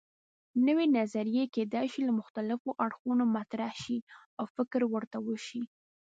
نوې نظریې کیدای شي له مختلفو اړخونو مطرح شي او فکر ورته وشي.